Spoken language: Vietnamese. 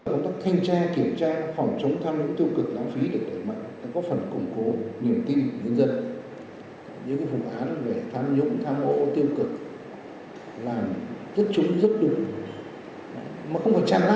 công tác thanh tra kiểm tra phỏng chống tham nhũng tiêu cực lãng phí được đổi mạnh đã có phần củng cố nhiều tiền dân dân